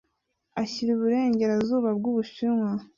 ashyira u Burengerazuba bw’u Bushinwa.